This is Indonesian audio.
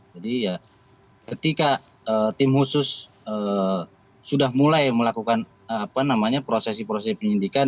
jadi ya ketika tim khusus sudah mulai melakukan prosesi prosesi penyidikan